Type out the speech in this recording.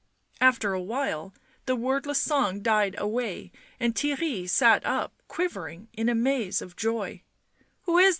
After a while the wordless song died away and Theirry sat up, quivering, in a maze of joy.